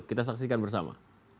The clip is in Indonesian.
kita saksikan bersama